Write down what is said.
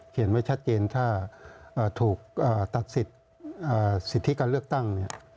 เขียนไว้ชัดเกณฑ์ถ้าถูกตัดสิทธิการเลือกตั้ง